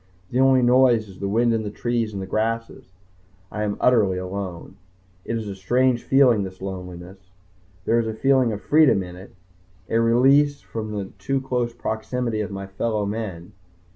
The only noise is the wind in the trees and grasses. I am utterly alone. It is a strange feeling, this loneliness. There is a feeling of freedom in it, a release from the too close proximity of my fellow men.